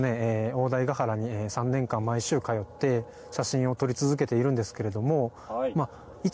大台ヶ原に３年間、毎週通って写真を撮り続けているのですけれどもはい。